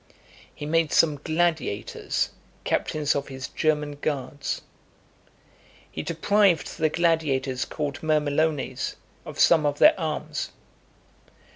He made some gladiators captains of his German guards. He deprived the gladiators called Mirmillones of some of their arms.